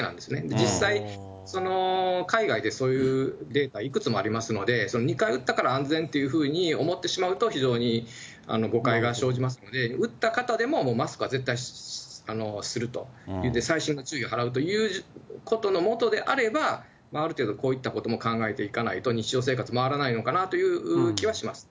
実際、海外でそういうデータ、いくつもありますので、２回打ったから安全というふうに思ってしまうと、非常に誤解が生じますので、打った方でもマスクは絶対するといって、細心の注意を払うということのもとであれば、ある程度こういうことも考えていかないと、日常生活回らないのかなという気はします。